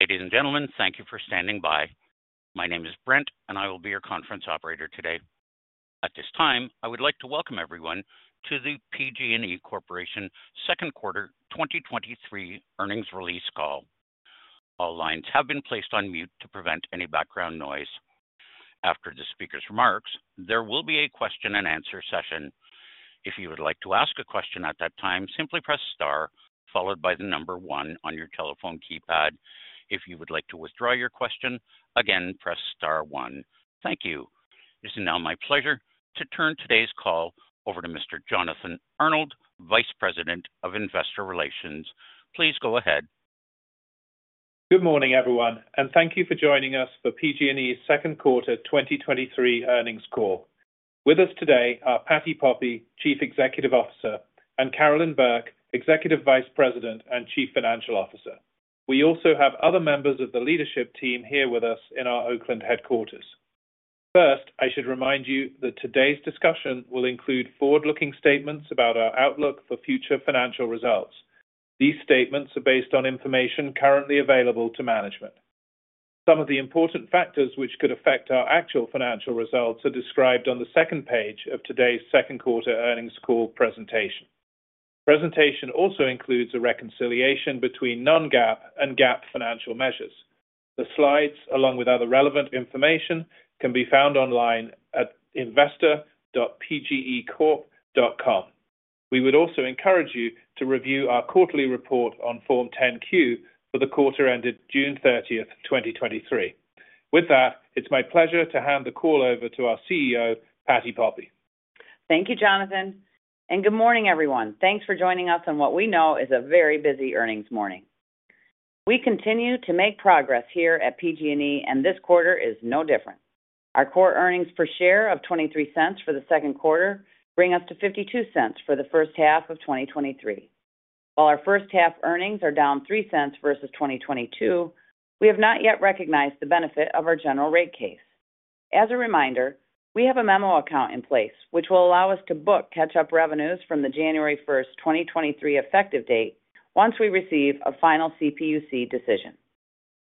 Ladies and gentlemen, thank you for standing by. My name is Brent, and I will be your conference operator today. At this time, I would like to welcome everyone to the PG&E Corporation second quarter 2023 earnings release call. All lines have been placed on mute to prevent any background noise. After the speaker's remarks, there will be a question-and-answer session. If you would like to ask a question at that time, simply press star, followed by the number one on your telephone keypad. If you would like to withdraw your question, again, press star one. Thank you. It is now my pleasure to turn today's call over to Mr. Jonathan Arnold, Vice President of Investor Relations. Please go ahead. Good morning, everyone, thank you for joining us for PG&E's second quarter 2023 earnings call. With us today are Patti Poppe, Chief Executive Officer, and Carolyn Burke, Executive Vice President and Chief Financial Officer. We also have other members of the leadership team here with us in our Oakland headquarters. First, I should remind you that today's discussion will include forward-looking statements about our outlook for future financial results. These statements are based on information currently available to management. Some of the important factors which could affect our actual financial results are described on the second page of today's second quarter earnings call presentation. The presentation also includes a reconciliation between non-GAAP and GAAP financial measures. The slides, along with other relevant information, can be found online at investor.pgecorp.com. We would also encourage you to review our quarterly report on Form 10-Q for the quarter ended June 30th, 2023. With that, it's my pleasure to hand the call over to our CEO, Patti Poppe. Thank you, Jonathan. Good morning, everyone. Thanks for joining us on what we know is a very busy earnings morning. We continue to make progress here at PG&E. This quarter is no different. Our core earnings per share of $0.23 for the second quarter bring us to $0.52 for the first half of 2023. While our first half earnings are down $0.03 versus 2022, we have not yet recognized the benefit of our general rate case. As a reminder, we have a memo account in place, which will allow us to book catch-up revenues from the January first, 2023, effective date once we receive a final CPUC decision.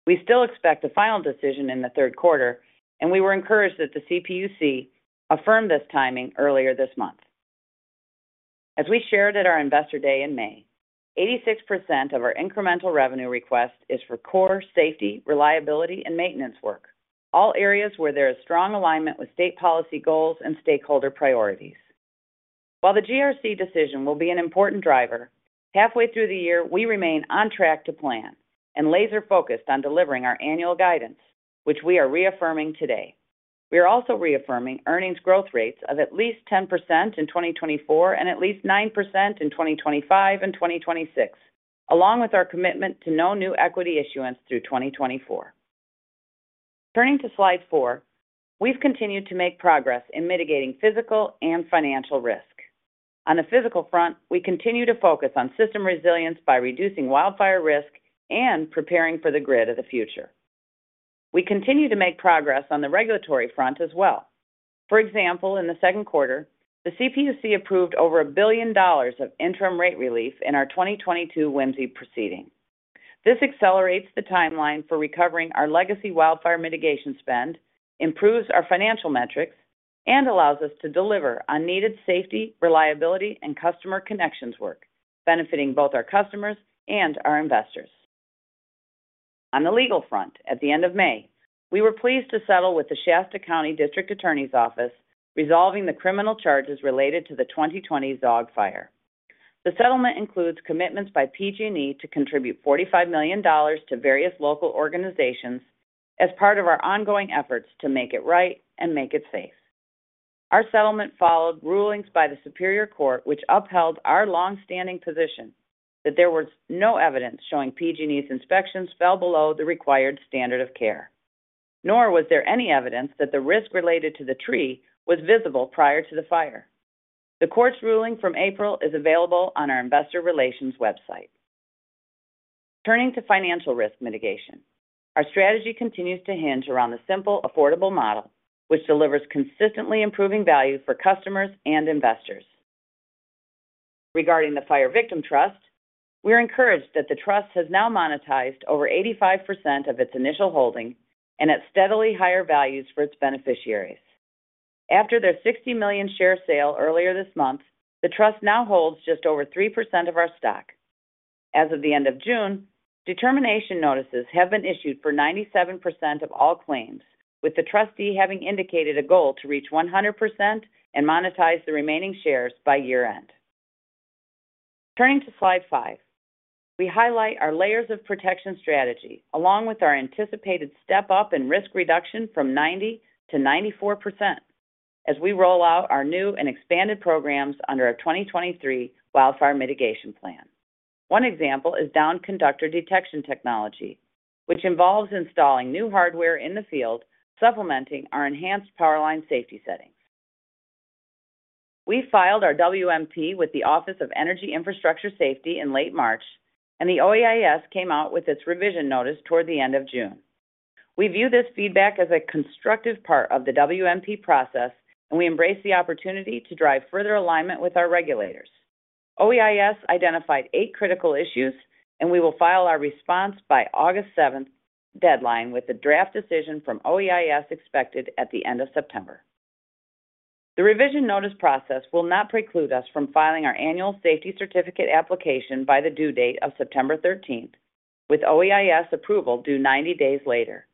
We still expect a final decision in the third quarter. We were encouraged that the CPUC affirmed this timing earlier this month. As we shared at our Investor Day in May, 86% of our incremental revenue request is for core safety, reliability, and maintenance work, all areas where there is strong alignment with state policy goals and stakeholder priorities. The GRC decision will be an important driver, halfway through the year, we remain on track to plan and laser-focused on delivering our annual guidance, which we are reaffirming today. We are also reaffirming earnings growth rates of at least 10% in 2024 and at least 9% in 2025 and 2026, along with our commitment to no new equity issuance through 2024. Turning to slide 4, we've continued to make progress in mitigating physical and financial risk. On the physical front, we continue to focus on system resilience by reducing wildfire risk and preparing for the grid of the future. We continue to make progress on the regulatory front as well. In the second quarter, the CPUC approved over $1 billion of interim rate relief in our 2022 WMCE proceeding. This accelerates the timeline for recovering our legacy wildfire mitigation spend, improves our financial metrics, and allows us to deliver on needed safety, reliability, and customer connections work, benefiting both our customers and our investors. On the legal front, at the end of May, we were pleased to settle with the Shasta County District Attorney's Office, resolving the criminal charges related to the 2020 Zogg Fire. The settlement includes commitments by PG&E to contribute $45 million to various local organizations as part of our ongoing efforts to make it right and make it safe. Our settlement followed rulings by the Superior Court, which upheld our long-standing position that there was no evidence showing PG&E's inspections fell below the required standard of care, nor was there any evidence that the risk related to the tree was visible prior to the fire. The court's ruling from April is available on our investor relations website. Turning to financial risk mitigation, our strategy continues to hinge around the simple, affordable model, which delivers consistently improving value for customers and investors. Regarding the Fire Victim Trust, we're encouraged that the trust has now monetized over 85% of its initial holding and at steadily higher values for its beneficiaries. After their 60 million share sale earlier this month, the trust now holds just over 3% of our stock. As of the end of June, determination notices have been issued for 97% of all claims, with the trustee having indicated a goal to reach 100% and monetize the remaining shares by year-end. Turning to slide 5, we highlight our layers of protection strategy, along with our anticipated step-up in risk reduction from 90%-94% as we roll out our new and expanded programs under our 2023 Wildfire Mitigation Plan. One example is Downed Conductor Detection technology, which involves installing new hardware in the field, supplementing our Enhanced Powerline Safety Settings. We filed our WMP with the Office of Energy Infrastructure Safety in late March. The OEIS came out with its revision notice toward the end of June. We view this feedback as a constructive part of the WMP process, and we embrace the opportunity to drive further alignment with our regulators. OEIS identified eight critical issues, and we will file our response by August 7th deadline, with the draft decision from OEIS expected at the end of September. The revision notice process will not preclude us from filing our annual safety certificate application by the due date of September 13th, with OEIS approval due 90 days later.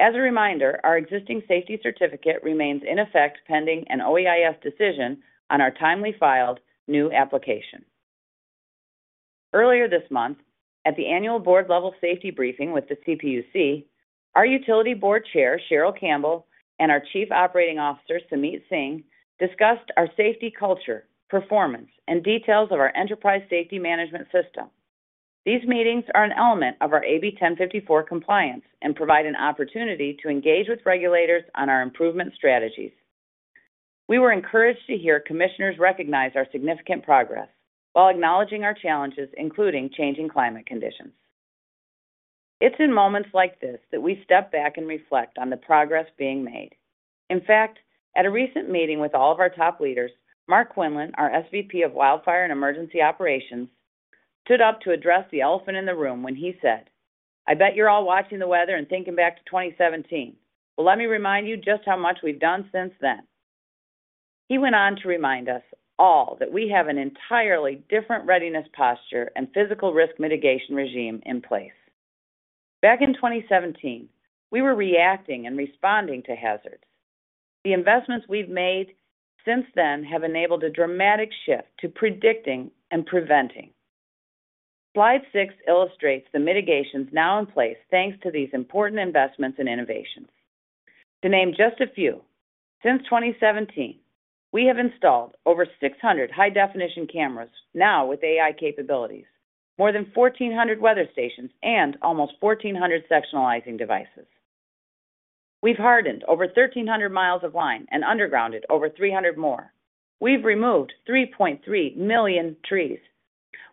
As a reminder, our existing safety certificate remains in effect pending an OEIS decision on our timely filed new application. Earlier this month, at the annual board-level safety briefing with the CPUC, our utility Board Chair, Cheryl Campbell, and our Chief Operating Officer, Sumeet Singh, discussed our safety culture, performance, and details of our enterprise safety management system. These meetings are an element of our AB 1054 compliance and provide an opportunity to engage with regulators on our improvement strategies. We were encouraged to hear commissioners recognize our significant progress while acknowledging our challenges, including changing climate conditions. It's in moments like this that we step back and reflect on the progress being made. In fact, at a recent meeting with all of our top leaders, Mark Quinlan, our SVP of Wildfire and Emergency Operations, stood up to address the elephant in the room when he said, "I bet you're all watching the weather and thinking back to 2017. Let me remind you just how much we've done since then." He went on to remind us all that we have an entirely different readiness posture and physical risk mitigation regime in place. Back in 2017, we were reacting and responding to hazards. The investments we've made since then have enabled a dramatic shift to predicting and preventing. Slide 6 illustrates the mitigations now in place, thanks to these important investments and innovations. To name just a few, since 2017, we have installed over 600 high-definition cameras, now with AI capabilities, more than 1,400 weather stations, and almost 1,400 sectionalizing devices. We've hardened over 1,300 miles of line and undergrounded over 300 more. We've removed 3.3 million trees.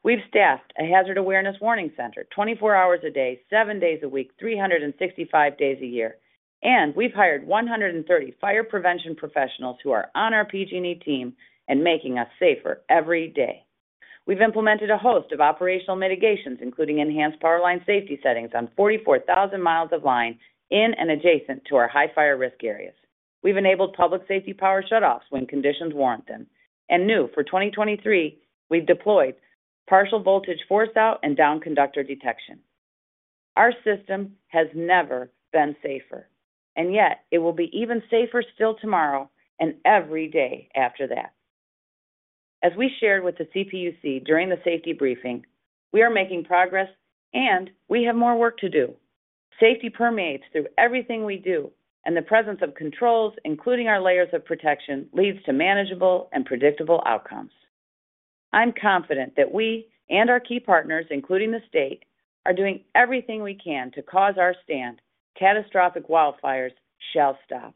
We've staffed a Hazard Awareness and Warning Center 24 hours a day, 7 days a week, 365 days a year, and we've hired 130 fire prevention professionals who are on our PG&E team and making us safer every day. We've implemented a host of operational mitigations, including Enhanced Powerline Safety Settings on 44,000 miles of line in and adjacent to our high fire risk areas. We've enabled Public Safety Power Shutoffs when conditions warrant them. New for 2023, we've deployed Partial Voltage Force Out and Downed Conductor Detection. Our system has never been safer, and yet it will be even safer still tomorrow and every day after that. As we shared with the CPUC during the safety briefing, we are making progress, and we have more work to do. Safety permeates through everything we do, and the presence of controls, including our layers of protection, leads to manageable and predictable outcomes. I'm confident that we and our key partners, including the state, are doing everything we can to cause our stand. Catastrophic wildfires shall stop.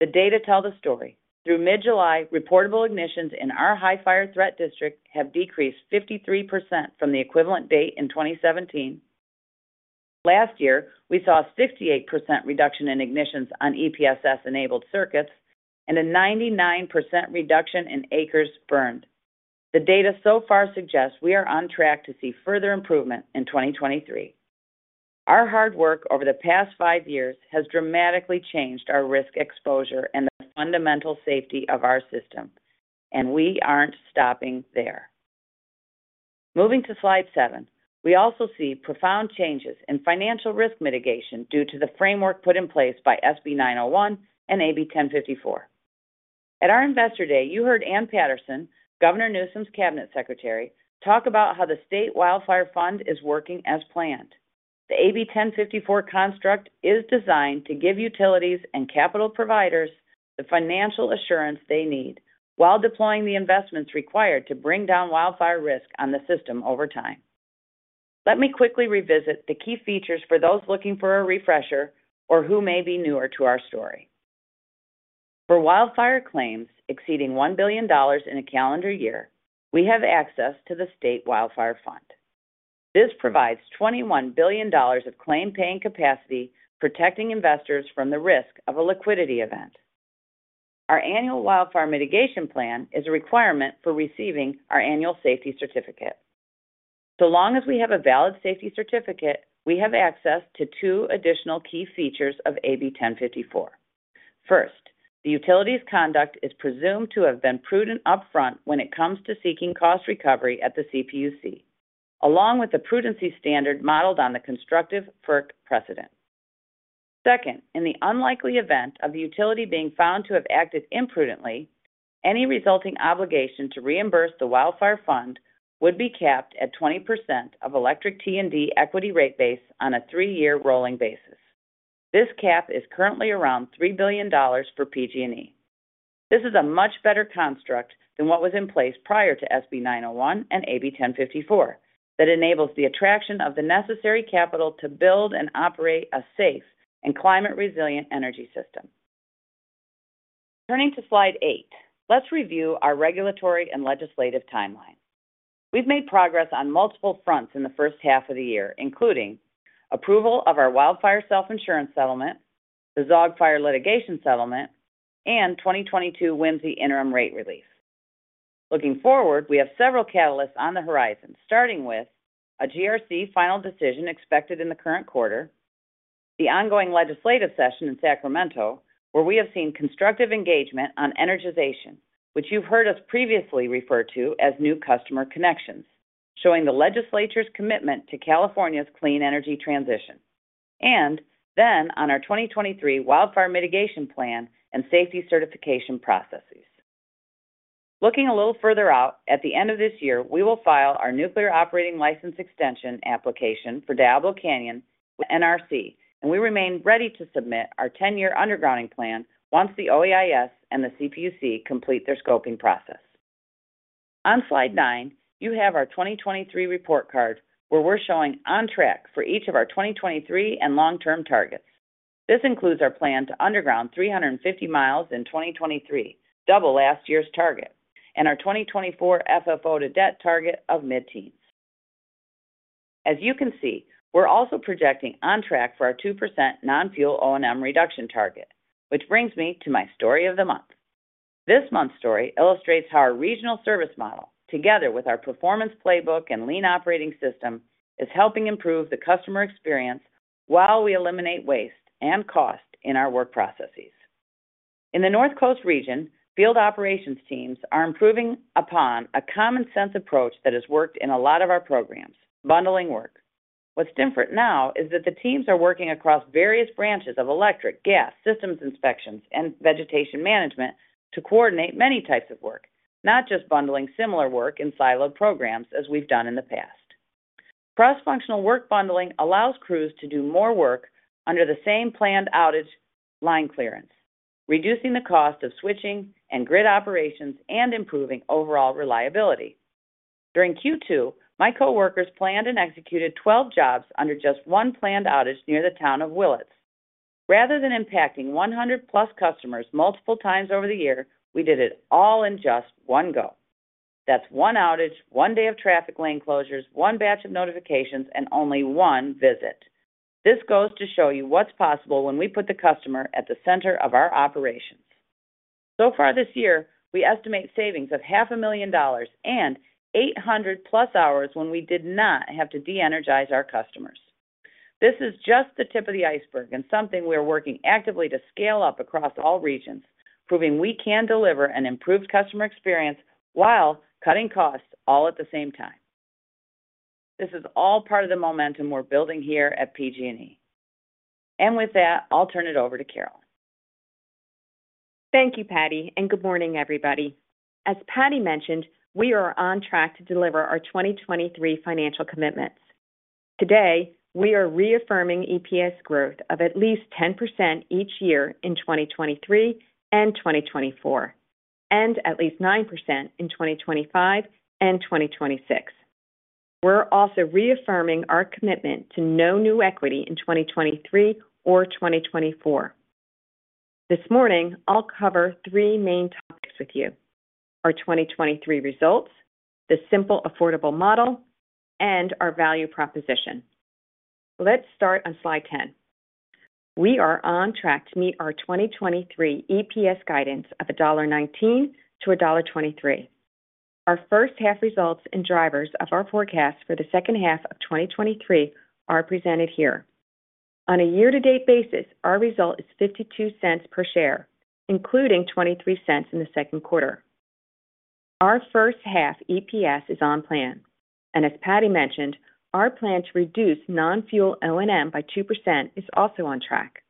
The data tell the story. Through mid-July, reportable ignitions in our High Fire Threat District have decreased 53% from the equivalent date in 2017. Last year, we saw a 68% reduction in ignitions on EPSS-enabled circuits and a 99% reduction in acres burned. The data so far suggests we are on track to see further improvement in 2023. Our hard work over the past 5 years has dramatically changed our risk exposure and the fundamental safety of our system, and we aren't stopping there. Moving to slide 7, we also see profound changes in financial risk mitigation due to the framework put in place by SB-901 and AB-1054. At our Investor Day, you heard Ann Patterson, Governor Newsom's Cabinet Secretary, talk about how the State Wildfire Fund is working as planned. The AB-1054 construct is designed to give utilities and capital providers the financial assurance they need while deploying the investments required to bring down wildfire risk on the system over time. Let me quickly revisit the key features for those looking for a refresher or who may be newer to our story. For wildfire claims exceeding $1 billion in a calendar year, we have access to the California Wildfire Fund. This provides $21 billion of claim-paying capacity, protecting investors from the risk of a liquidity event. Our annual wildfire mitigation plan is a requirement for receiving our annual safety certificate. Long as we have a valid safety certificate, we have access to two additional key features of AB 1054. First, the utility's conduct is presumed to have been prudent upfront when it comes to seeking cost recovery at the CPUC, along with the prudency standard modeled on the constructive FERC precedent. Second, in the unlikely event of the utility being found to have acted imprudently, any resulting obligation to reimburse the wildfire fund would be capped at 20% of electric T&D equity rate base on a three-year rolling basis. This cap is currently around $3 billion for PG&E. This is a much better construct than what was in place prior to SB-901 and AB-1054 that enables the attraction of the necessary capital to build and operate a safe and climate-resilient energy system. Turning to slide 8, let's review our regulatory and legislative timeline. We've made progress on multiple fronts in the first half of the year, including approval of our wildfire self-insurance settlement, the Zogg Fire litigation settlement, and 2022 WMCE interim rate relief. Looking forward, we have several catalysts on the horizon, starting with a GRC final decision expected in the current quarter, the ongoing legislative session in Sacramento, where we have seen constructive engagement on energization, which you've heard us previously refer to as new customer connections, showing the legislature's commitment to California's clean energy transition, on our 2023 wildfire mitigation plan and safety certification processes. Looking a little further out, at the end of this year, we will file our Nuclear Operating License Extension application for Diablo Canyon with NRC. We remain ready to submit our 10-year underground plan once the OEIS and the CPUC complete their scoping process. On slide 9, you have our 2023 report card, where we're showing on track for each of our 2023 and long-term targets. This includes our plan to underground 350 miles in 2023, double last year's target, and our 2024 FFO to debt target of mid-teens. As you can see, we're also projecting on track for our 2% non-fuel O&M reduction target, which brings me to my story of the month. This month's story illustrates how our regional service model, together with our performance playbook and lean operating system, is helping improve the customer experience while we eliminate waste and cost in our work processes. In the North Coast region, field operations teams are improving upon a common-sense approach that has worked in a lot of our programs, bundling work. What's different now is that the teams are working across various branches of electric, gas, systems inspections, and vegetation management to coordinate many types of work, not just bundling similar work in siloed programs as we've done in the past. Cross-functional work bundling allows crews to do more work under the same planned outage line clearance, reducing the cost of switching and grid operations and improving overall reliability. During Q2, my coworkers planned and executed 12 jobs under just one planned outage near the town of Willits. Rather than impacting 100+ customers multiple times over the year, we did it all in just one go. That's one outage, one day of traffic lane closures, one batch of notifications, and only one visit. This goes to show you what's possible when we put the customer at the center of our operations. Far this year, we estimate savings of half a million dollars and 800 plus hours when we did not have to de-energize our customers. This is just the tip of the iceberg and something we are working actively to scale up across all regions, proving we can deliver an improved customer experience while cutting costs all at the same time. This is all part of the momentum we're building here at PG&E. With that, I'll turn it over to Carol. Thank you, Patti. Good morning, everybody. As Patti mentioned, we are on track to deliver our 2023 financial commitments. Today, we are reaffirming EPS growth of at least 10% each year in 2023 and 2024, and at least 9% in 2025 and 2026. We're also reaffirming our commitment to no new equity in 2023 or 2024. This morning, I'll cover three main topics with you: our 2023 results, the simple, affordable model, and our value proposition. Let's start on slide 10. We are on track to meet our 2023 EPS guidance of $1.19-$1.23. Our first-half results and drivers of our forecast for the second half of 2023 are presented here. On a year-to-date basis, our result is $0.52 per share, including $0.23 in the second quarter. Our first half EPS is on plan, and as Patti mentioned, our plan to reduce non-fuel O&M by 2% is also on track.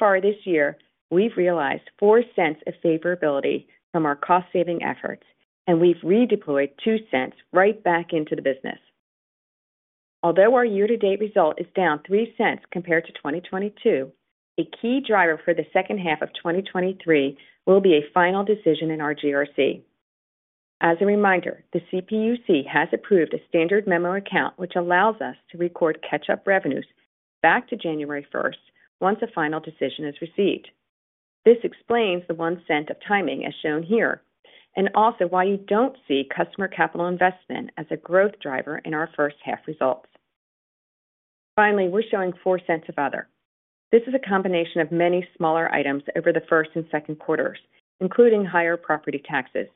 Far this year, we've realized $0.04 of favorability from our cost-saving efforts, and we've redeployed $0.02 right back into the business. Although our year-to-date result is down $0.03 compared to 2022, a key driver for the second half of 2023 will be a final decision in our GRC. As a reminder, the CPUC has approved a standard memo account, which allows us to record catch-up revenues back to January 1st once a final decision is received. This explains the $0.01 of timing, as shown here, and also why you don't see customer capital investment as a growth driver in our first half results. Finally, we're showing $0.04 of other. This is a combination of many smaller items over the first and second quarters, including higher property taxes,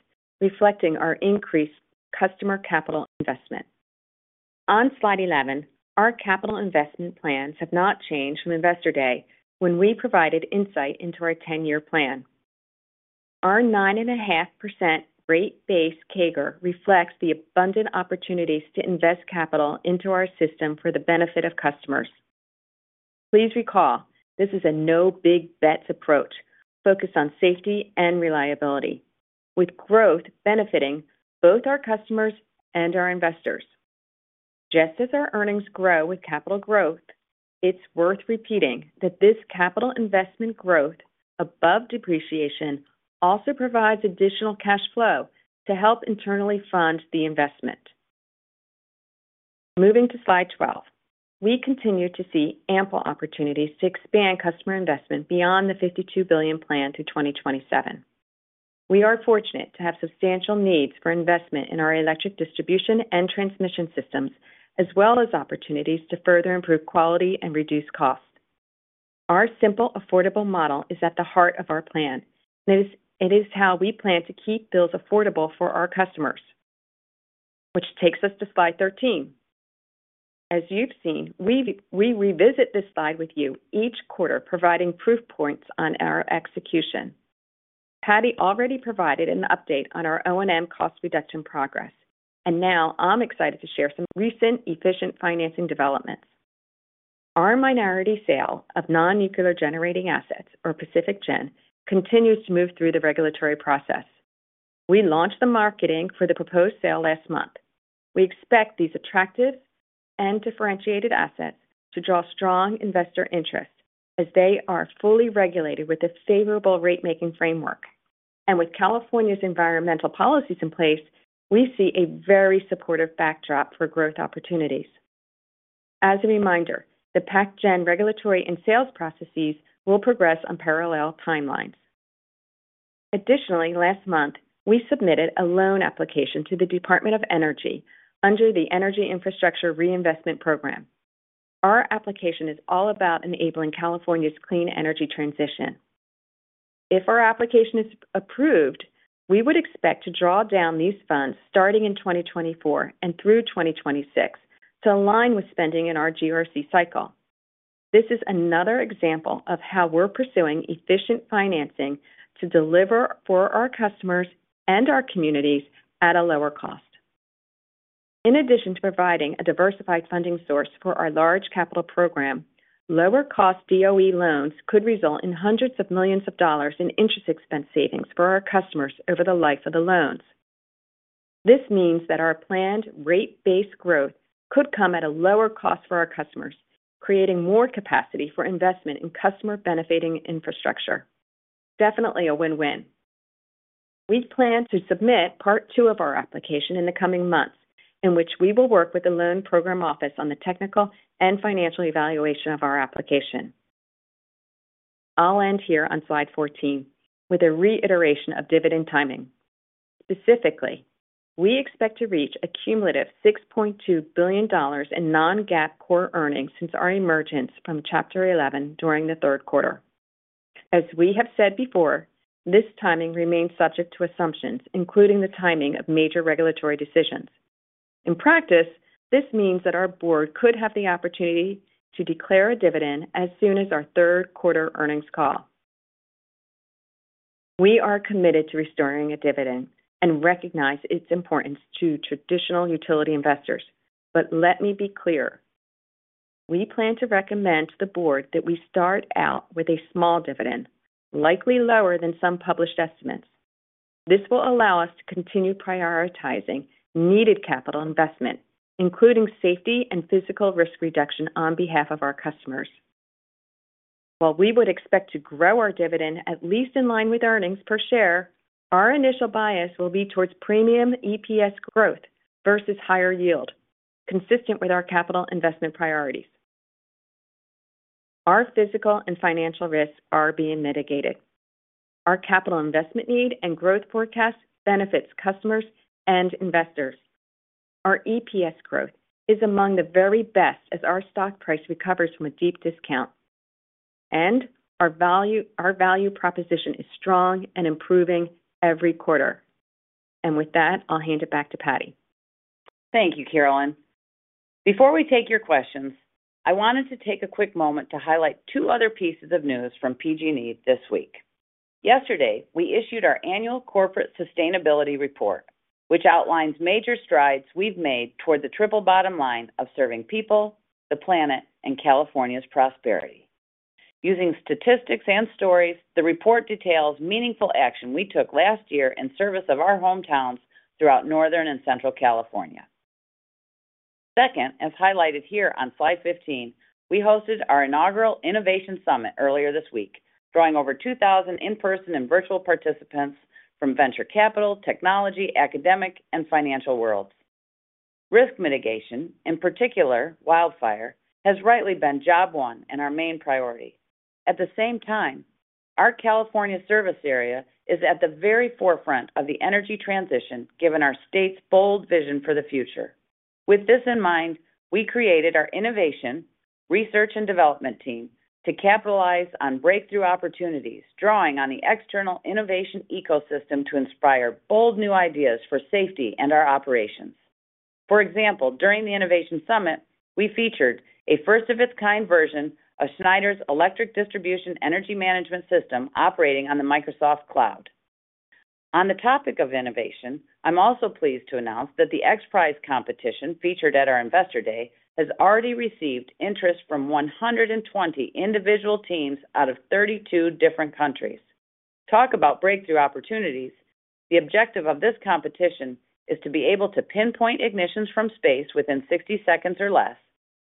reflecting our increased customer capital investment. On slide 11, our capital investment plans have not changed from Investor Day, when we provided insight into our 10-year plan. Our 9.5% rate base CAGR reflects the abundant opportunities to invest capital into our system for the benefit of customers. Please recall, this is a no big bets approach, focused on safety and reliability, with growth benefiting both our customers and our investors. Just as our earnings grow with capital growth, it's worth repeating that this capital investment growth above depreciation also provides additional cash flow to help internally fund the investment. Moving to Slide 12. We continue to see ample opportunities to expand customer investment beyond the $52 billion plan through 2027. We are fortunate to have substantial needs for investment in our electric distribution and transmission systems, as well as opportunities to further improve quality and reduce costs. Our simple, affordable model is at the heart of our plan. It is how we plan to keep bills affordable for our customers, which takes us to slide 13. As you've seen, we revisit this slide with you each quarter, providing proof points on our execution. Patty already provided an update on our O&M cost reduction progress. Now I'm excited to share some recent efficient financing developments. Our minority sale of non-nuclear generating assets, or Pacific Gen, continues to move through the regulatory process. We launched the marketing for the proposed sale last month. We expect these attractive and differentiated assets to draw strong investor interest as they are fully regulated with a favorable rate making framework. With California's environmental policies in place, we see a very supportive backdrop for growth opportunities. As a reminder, the Pac Gen regulatory and sales processes will progress on parallel timelines. Additionally, last month, we submitted a loan application to the Department of Energy under the Energy Infrastructure Reinvestment Program. Our application is all about enabling California's clean energy transition. If our application is approved, we would expect to draw down these funds starting in 2024 and through 2026 to align with spending in our GRC cycle. This is another example of how we're pursuing efficient financing to deliver for our customers and our communities at a lower cost. In addition to providing a diversified funding source for our large capital program, lower cost DOE loans could result in $hundreds of millions in interest expense savings for our customers over the life of the loans. This means that our planned rate-based growth could come at a lower cost for our customers, creating more capacity for investment in customer-benefiting infrastructure. Definitely a win-win. We plan to submit part two of our application in the coming months, in which we will work with the Loan Programs Office on the technical and financial evaluation of our application. I'll end here on slide 14 with a reiteration of dividend timing. Specifically, we expect to reach a cumulative $6.2 billion in non-GAAP core earnings since our emergence from Chapter 11 during the third quarter. As we have said before, this timing remains subject to assumptions, including the timing of major regulatory decisions. In practice, this means that our board could have the opportunity to declare a dividend as soon as our third quarter earnings call. We are committed to restoring a dividend and recognize its importance to traditional utility investors. Let me be clear, we plan to recommend to the board that we start out with a small dividend, likely lower than some published estimates. This will allow us to continue prioritizing needed capital investment, including safety and physical risk reduction on behalf of our customers. While we would expect to grow our dividend at least in line with earnings per share, our initial bias will be towards premium EPS growth versus higher yield, consistent with our capital investment priorities. Our physical and financial risks are being mitigated. Our capital investment need and growth forecast benefits customers and investors. Our EPS growth is among the very best as our stock price recovers from a deep discount, and our value proposition is strong and improving every quarter. With that, I'll hand it back to Patti. Thank you, Carolyn. Before we take your questions, I wanted to take a quick moment to highlight two other pieces of news from PG&E this week. Yesterday, we issued our annual Corporate Sustainability Report, which outlines major strides we've made toward the triple bottom line of serving people, the planet, and California's prosperity. Using statistics and stories, the report details meaningful action we took last year in service of our hometowns throughout Northern and Central California. Second, as highlighted here on slide 15, we hosted our inaugural Innovation Summit earlier this week, drawing over 2,000 in-person and virtual participants from venture capital, technology, academic, and financial worlds. Risk mitigation, in particular, wildfire, has rightly been job one and our main priority. At the same time, our California service area is at the very forefront of the energy transition, given our state's bold vision for the future. With this in mind, we created our innovation, research and development team to capitalize on breakthrough opportunities, drawing on the external innovation ecosystem to inspire bold, new ideas for safety and our operations. For example, during the Innovation Summit, we featured a first-of-its-kind version of Schneider Electric Distributed Energy Resource Management System operating on Microsoft Azure. On the topic of innovation, I'm also pleased to announce that the XPRIZE competition featured at our Investor Day, has already received interest from 120 individual teams out of 32 different countries. Talk about breakthrough opportunities! The objective of this competition is to be able to pinpoint ignitions from space within 60 seconds or less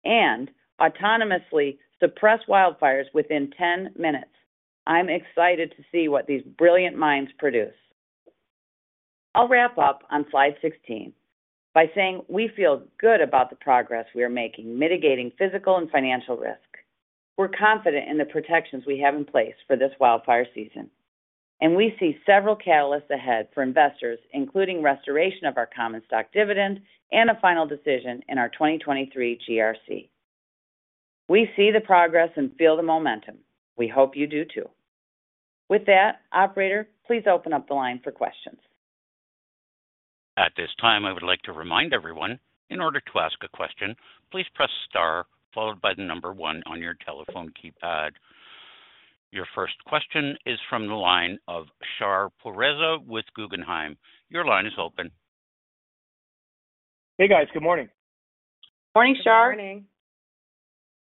and autonomously suppress wildfires within 10 minutes. I'm excited to see what these brilliant minds produce. I'll wrap up on slide 16 by saying we feel good about the progress we are making, mitigating physical and financial risk. We're confident in the protections we have in place for this wildfire season, and we see several catalysts ahead for investors, including restoration of our common stock dividend and a final decision in our 2023 GRC. We see the progress and feel the momentum. We hope you do too. With that, operator, please open up the line for questions. At this time, I would like to remind everyone, in order to ask a question, please press star, followed by the number one on your telephone keypad. Your first question is from the line of Shar Pourreza with Guggenheim. Your line is open. Hey, guys good morning. Morning, Shar. Good morning.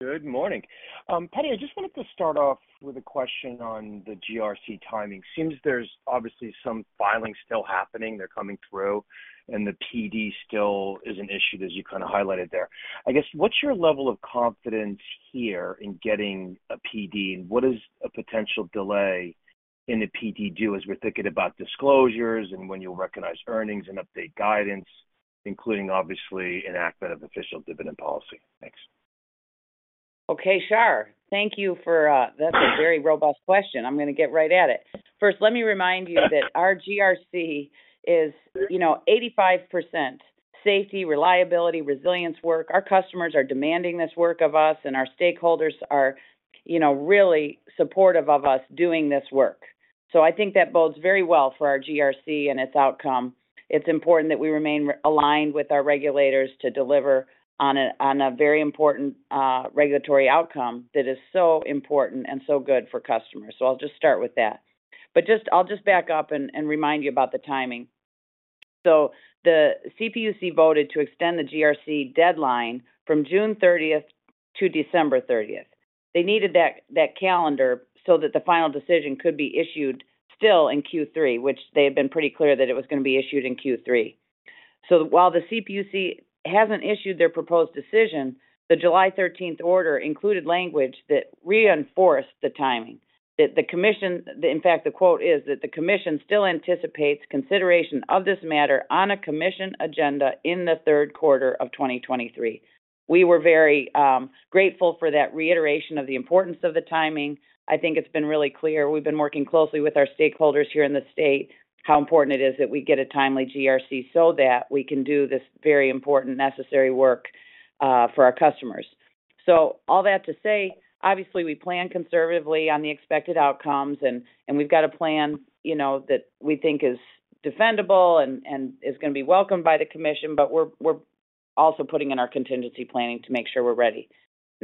Good morning. Patti Poppe, I just wanted to start off with a question on the GRC timing. Seems there's obviously some filings still happening, they're coming through, and the PD still is an issue, as you kind of highlighted there. I guess, what's your level of confidence here in getting a PD? What is a potential delay in the PD due, as we're thinking about disclosures and when you'll recognize earnings and update guidance, including obviously, an enactment of official dividend policy? Thanks. Okay, Shar, thank you for that's a very robust question. I'm going to get right at it. First, let me remind you that our GRC is, you know, 85% safety, reliability, resilience work. Our customers are demanding this work of us, our stakeholders are, you know, really supportive of us doing this work. I think that bodes very well for our GRC and its outcome. It's important that we remain realigned with our regulators to deliver on a very important regulatory outcome that is so important and so good for customers. I'll just start with that. I'll just back up and remind you about the timing. The CPUC voted to extend the GRC deadline from June 30th to December 30th. They needed that calendar so that the final decision could be issued still in Q3, which they have been pretty clear that it was going to be issued in Q3. While the CPUC hasn't issued their proposed decision, the July 13th order included language that reinforced the timing. The Commission, in fact, the quote is, that the Commission still anticipates consideration of this matter on a Commission agenda in the 3rd quarter of 2023. We were very grateful for that reiteration of the importance of the timing. I think it's been really clear. We've been working closely with our stakeholders here in the state, how important it is that we get a timely GRC so that we can do this very important, necessary work for our customers. All that to say, obviously, we plan conservatively on the expected outcomes, and we've got a plan, you know, that we think is defendable and is going to be welcomed by the commission, but we're also putting in our contingency planning to make sure we're ready.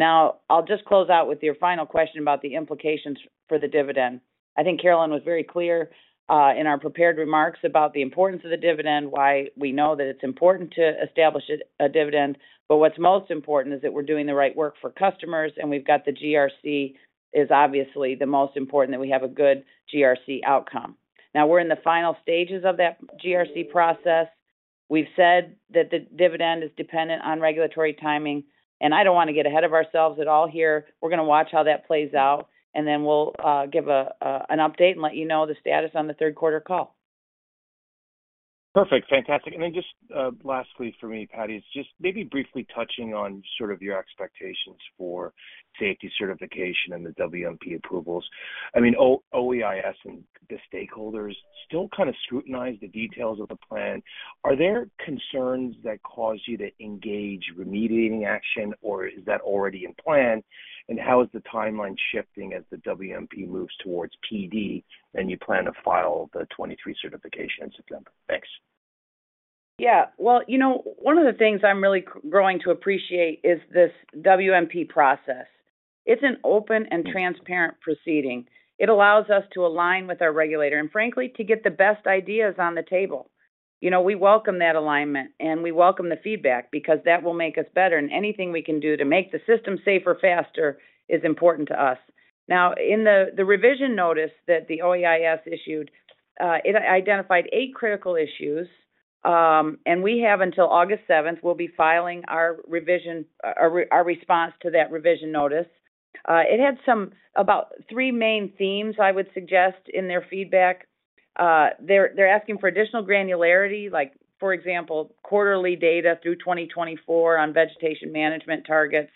I'll just close out with your final question about the implications for the dividend. I think Carolyn was very clear in our prepared remarks about the importance of the dividend, why we know that it's important to establish a dividend, but what's most important is that we're doing the right work for customers, and we've got the GRC is obviously the most important, that we have a good GRC outcome. We're in the final stages of that GRC process. We've said that the dividend is dependent on regulatory timing, and I don't want to get ahead of ourselves at all here. We're going to watch how that plays out, and then we'll give an update and let you know the status on the third quarter call. Perfect. Fantastic. Lastly for me, Patti, is just maybe briefly touching on sort of your expectations for safety certification and the WMP approvals. I mean, OEIS and the stakeholders still kind of scrutinize the details of the plan. Are there concerns that cause you to engage remediating action, or is that already in plan? How is the timeline shifting as the WMP moves towards PD, and you plan to file the 23 certification in September? Thanks. Yeah, well, you know, one of the things I'm really growing to appreciate is this WMP process. It's an open and transparent proceeding. It allows us to align with our regulator, and frankly, to get the best ideas on the table. You know, we welcome that alignment, and we welcome the feedback because that will make us better, and anything we can do to make the system safer, faster is important to us. In the revision notice that the OEIS issued, it identified 8 critical issues, and we have until August 7th, we'll be filing our response to that revision notice. It had some about 3 main themes, I would suggest, in their feedback. They're asking for additional granularity, like for example, quarterly data through 2024 on vegetation management targets.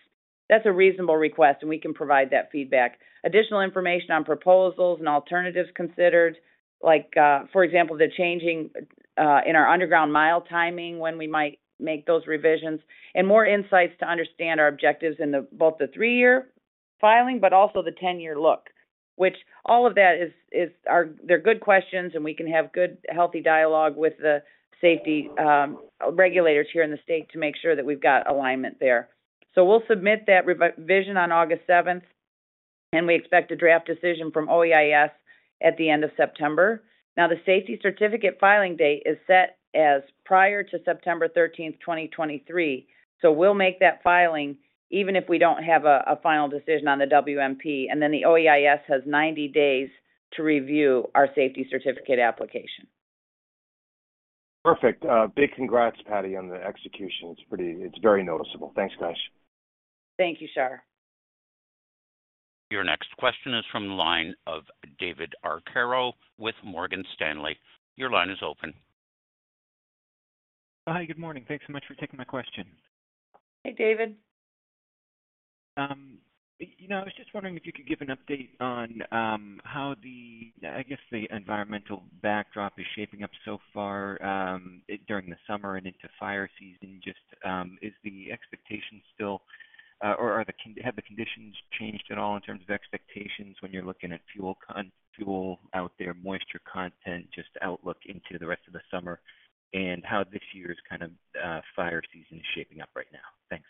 That's a reasonable request, and we can provide that feedback. Additional information on proposals and alternatives considered, like, for example, the changing in our underground mile timing, when we might make those revisions, and more insights to understand our objectives in the, both the 3-year filing, but also the 10-year look. Which all of that are good questions, and we can have good, healthy dialogue with the safety regulators here in the state to make sure that we've got alignment there. We'll submit that revision on August 7th, and we expect a draft decision from OEIS at the end of September. Now, the safety certificate filing date is set as prior to September 13th, 2023, so we'll make that filing even if we don't have a final decision on the WMP, and then the OEIS has 90 days to review our safety certificate application. Perfect. Big congrats, Patti, on the execution. It's very noticeable. Thanks, guys. Thank you, Shar. Your next question is from the line of David Arcaro with Morgan Stanley. Your line is open. Hi, good morning. Thanks so much for taking my question. Hey, David. You know, I was just wondering if you could give an update on how the, I guess, the environmental backdrop is shaping up so far during the summer and into fire season. Is the expectation still, or have the conditions changed at all in terms of expectations when you're looking at fuel out there, moisture content, just outlook into the rest of the summer, and how this year's kind of fire season is shaping up right now? Thanks.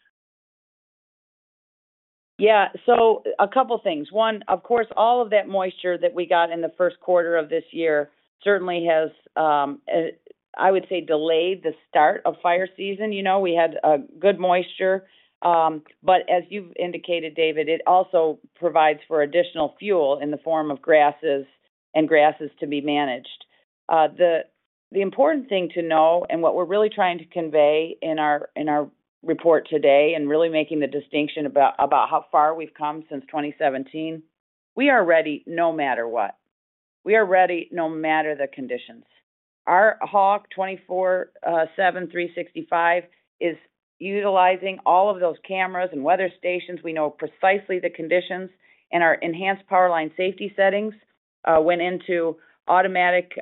A couple things. One, of course, all of that moisture that we got in the 1st quarter of this year certainly has, I would say, delayed the start of fire season. You know, we had a good moisture, as you've indicated, David, it also provides for additional fuel in the form of grasses and grasses to be managed. The important thing to know and what we're really trying to convey in our report today, and really making the distinction about how far we've come since 2017, we are ready no matter what. We are ready no matter the conditions. Our HAWC 24/7/365 is utilizing all of those cameras and weather stations. We know precisely the conditions, our Enhanced Powerline Safety Settings went into automatic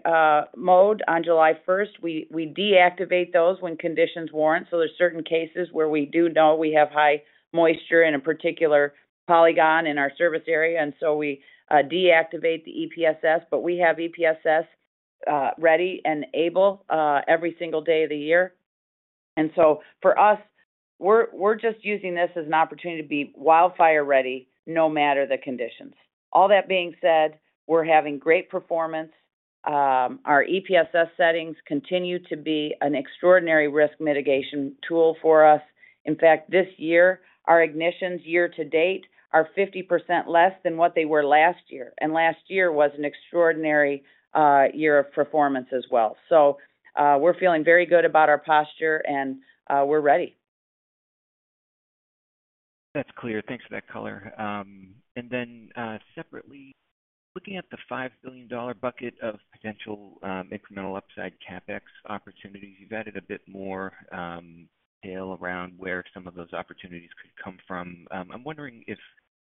mode on July 1st. We deactivate those when conditions warrant. There are certain cases where we do know we have high moisture in a particular polygon in our service area, and we deactivate the EPSS. We have EPSS ready and able every single day of the year. For us, we're just using this as an opportunity to be wildfire ready, no matter the conditions. All that being said, we're having great performance. Our EPSS settings continue to be an extraordinary risk mitigation tool for us. In fact, this year, our ignitions year to date are 50% less than what they were last year, and last year was an extraordinary year of performance as well. We're feeling very good about our posture, and we're ready. That's clear. Thanks for that color. Separately, looking at the $5 billion bucket of potential incremental upside CapEx opportunities, you've added a bit more detail around where some of those opportunities could come from. I'm wondering if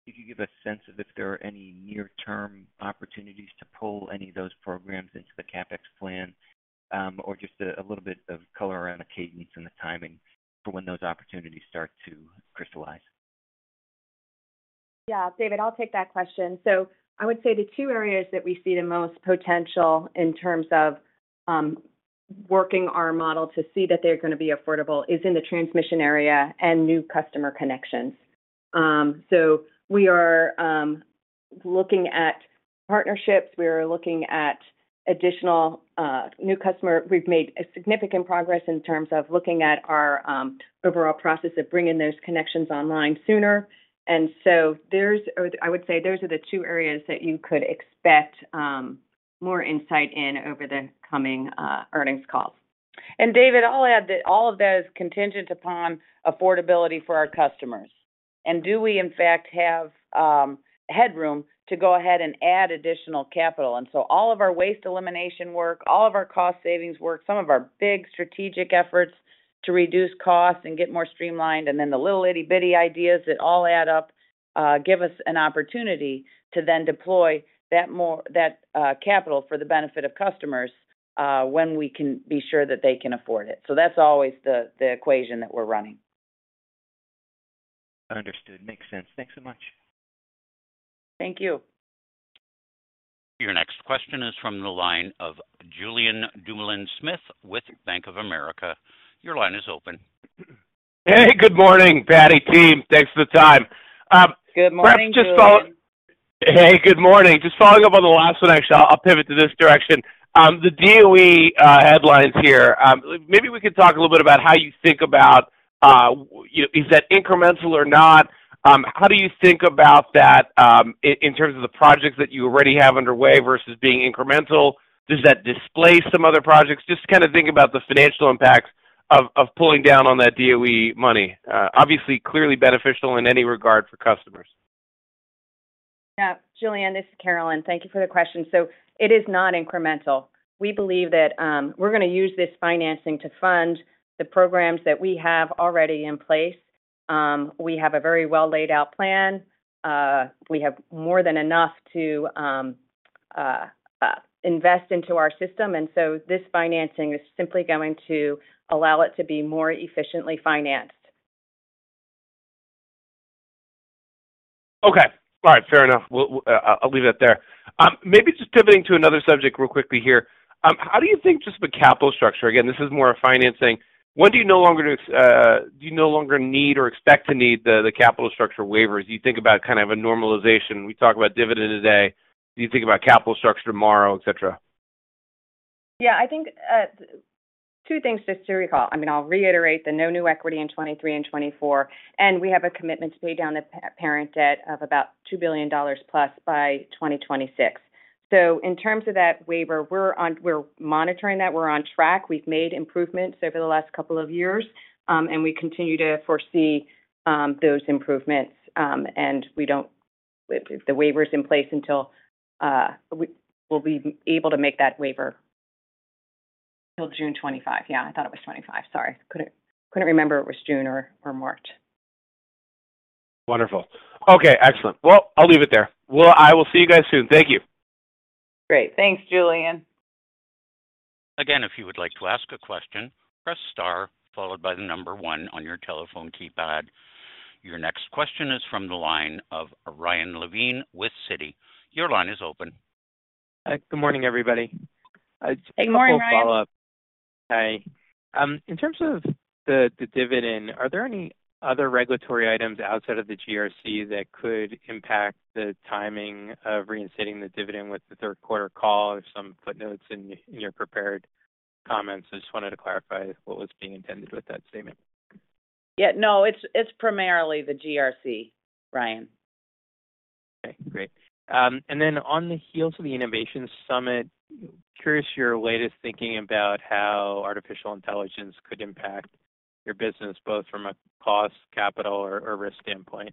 you could give a sense of if there are any near-term opportunities to pull any of those programs into the CapEx plan, or just a little bit of color around the cadence and the timing for when those opportunities start to crystallize. Yeah, David, I'll take that question. I would say the two areas that we see the most potential in terms of working our model to see that they're going to be affordable is in the transmission area and new customer connections. We are looking at partnerships. We are looking at additional new customer. We've made a significant progress in terms of looking at our overall process of bringing those connections online sooner. I would say, those are the two areas that you could expect more insight in over the coming earnings calls. David, I'll add that all of that is contingent upon affordability for our customers. Do we in fact have headroom to go ahead and add additional capital? All of our waste elimination work, all of our cost savings work, some of our big strategic efforts to reduce costs and get more streamlined, and then the little, itty-bitty ideas that all add up, give us an opportunity to then deploy that capital for the benefit of customers, when we can be sure that they can afford it. That's always the equation that we're running. Understood. Makes sense. Thanks so much. Thank you. Your next question is from the line of Julien Dumoulin-Smith with Bank of America. Your line is open. Hey, good morning, Patti, team. Thanks for the time. Good morning, Julien. Hey, good morning. Just following up on the last one, actually, I'll pivot to this direction. The DOE headlines here. Maybe we could talk a little bit about how you think about, you know, is that incremental or not? How do you think about that in terms of the projects that you already have underway versus being incremental? Does that displace some other projects? Just kind of thinking about the financial impacts of pulling down on that DOE money. Obviously, clearly beneficial in any regard for customers. Yeah, Julien, this is Carolyn. Thank you for the question. It is not incremental. We believe that we're going to use this financing to fund the programs that we have already in place. We have a very well-laid-out plan. We have more than enough to invest into our system, this financing is simply going to allow it to be more efficiently financed. Okay. All right. Fair enough. I'll leave it there. Maybe just pivoting to another subject real quickly here. How do you think just the capital structure, again, this is more a financing, when do you no longer do you no longer need or expect to need the capital structure waivers? Do you think about kind of a normalization? We talked about dividend today. Do you think about capital structure tomorrow, et cetera? I think two things just to recall. I'll reiterate the no new equity in 2023 and 2024, and we have a commitment to pay down the parent debt of about $2 billion plus by 2026. In terms of that waiver, we're monitoring that. We're on track. We've made improvements over the last couple of years, and we continue to foresee those improvements. We don't the waiver is in place until we will be able to make that waiver till June 2025. I thought it was 2025. Sorry. Couldn't remember it was June or March. Wonderful. Okay, excellent. Well, I'll leave it there. Well, I will see you guys soon. Thank you. Great. Thanks, Julien. If you would like to ask a question, press star, followed by the one on your telephone keypad. Your next question is from the line of Ryan Levine with Citi. Your line is open. Hi. Good morning, everybody. Good morning, Ryan. Hi. In terms of the dividend, are there any other regulatory items outside of the GRC that could impact the timing of reinstating the dividend with the third quarter call or some footnotes in your prepared comments? I just wanted to clarify what was being intended with that statement. Yeah, no, it's primarily the GRC, Ryan. Okay, great. On the heels of the Innovation Summit, curious your latest thinking about how artificial intelligence could impact your business, both from a cost, capital, or risk standpoint,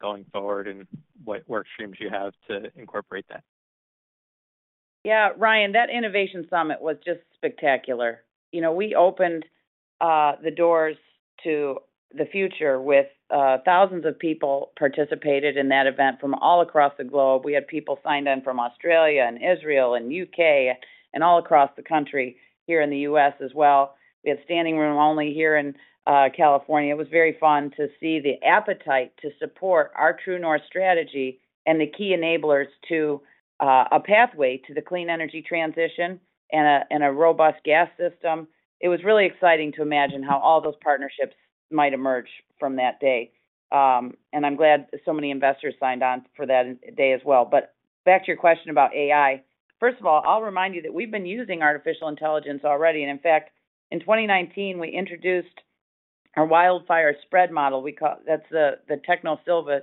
going forward, and what work streams you have to incorporate that? Yeah, Ryan, that Innovation Summit was just spectacular. You know, we opened the doors to the future with thousands of people participated in that event from all across the globe. We had people signed in from Australia and Israel and U.K., and all across the country here in the U.S. as well. We had standing room only here in California. It was very fun to see the appetite to support our True North strategy and the key enablers to a pathway to the clean energy transition and a robust gas system. It was really exciting to imagine how all those partnerships might emerge from that day. I'm glad so many investors signed on for that day as well. Back to your question about AI. First of all, I'll remind you that we've been using artificial intelligence already. In fact, in 2019, we introduced our wildfire spread model. That's the Technosylva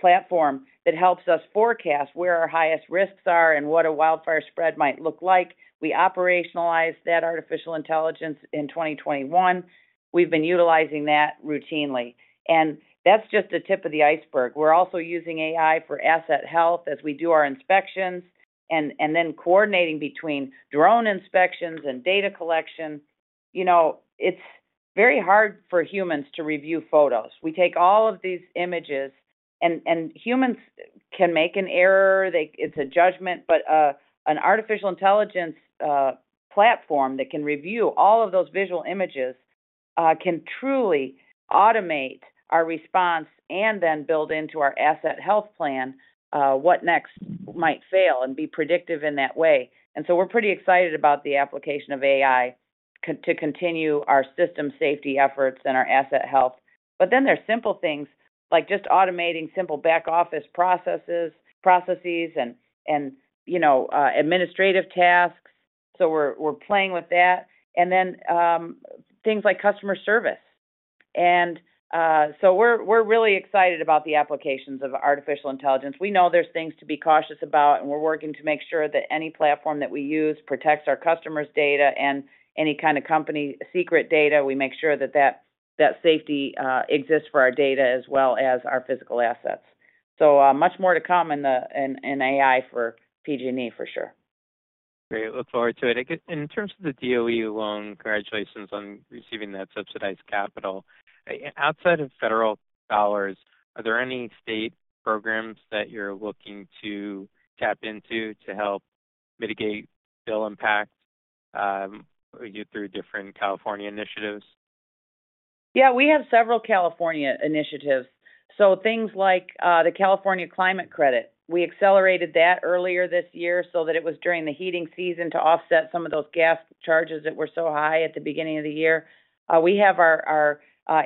platform that helps us forecast where our highest risks are and what a wildfire spread might look like. We operationalized that artificial intelligence in 2021. We've been utilizing that routinely, that's just the tip of the iceberg. We're also using AI for asset health as we do our inspections, and then coordinating between drone inspections and data collection. You know, it's very hard for humans to review photos. We take all of these images, humans can make an error, it's a judgment, an artificial intelligence platform that can review all of those visual images can truly automate our response and then build into our asset health plan what next might fail and be predictive in that way. We're pretty excited about the application of AI to continue our system safety efforts and our asset health. There are simple things like just automating simple back-office processes and, you know, administrative tasks. We're playing with that, things like customer service. We're really excited about the applications of artificial intelligence. We know there's things to be cautious about, and we're working to make sure that any platform that we use protects our customers' data and any kind of company secret data. We make sure that safety exists for our data as well as our physical assets. Much more to come in AI for PG&E, for sure. Great. Look forward to it. In terms of the DOE loan, congratulations on receiving that subsidized capital. Outside of federal dollars, are there any state programs that you're looking to tap into to help mitigate bill impact, you through different California initiatives? We have several California initiatives. Things like the California Climate Credit, we accelerated that earlier this year so that it was during the heating season to offset some of those gas charges that were so high at the beginning of the year. We have our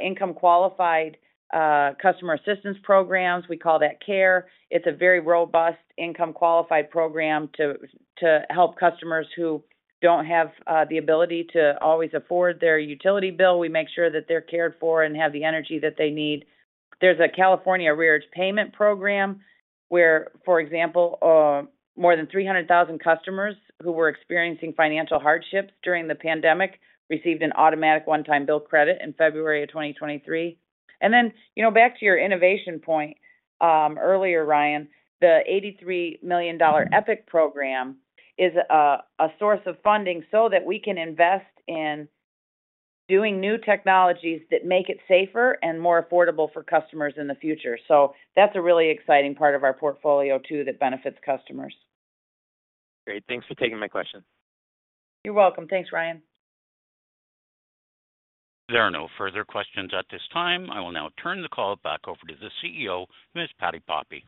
income-qualified customer assistance programs. We call that CARE. It's a very robust income-qualified program to help customers who don't have the ability to always afford their utility bill. We make sure that they're cared for and have the energy that they need. There's a California Arrearage Payment Program where, for example, more than 300,000 customers who were experiencing financial hardships during the pandemic received an automatic one-time bill credit in February of 2023. You know, back to your innovation point, earlier, Ryan Levine, the $83 million EPIC program is a source of funding so that we can invest in doing new technologies that make it safer and more affordable for customers in the future. That's a really exciting part of our portfolio, too, that benefits customers. Great. Thanks for taking my question. You're welcome. Thanks, Ryan. There are no further questions at this time. I will now turn the call back over to the CEO, Ms. Patti Poppe.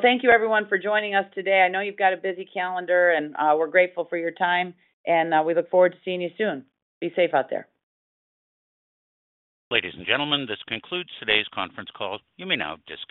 Thank you, everyone, for joining us today. I know you've got a busy calendar, and, we're grateful for your time, and, we look forward to seeing you soon. Be safe out there. Ladies and gentlemen, this concludes today's conference call. You may now disconnect.